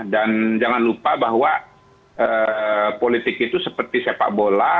dan jangan lupa bahwa politik itu seperti sepak bola